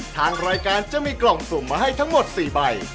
ทางรายการจะมีกล่องสุ่มมาให้ทั้งหมด๔ใบ